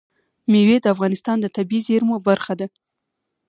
مېوې د افغانستان د طبیعي زیرمو برخه ده.